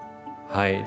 はい。